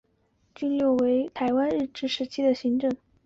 斗六郡为台湾日治时期的行政区划之一。